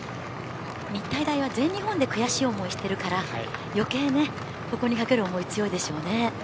日体大は全日本で悔しい思いをしているから余計にここに懸ける思いが強いでしょうね。